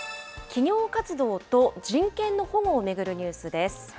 企業活動と人権の保護を巡るニュースです。